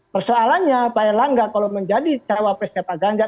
persoalannya pak erlangga kalau menjadi cawapresnya pak ganjar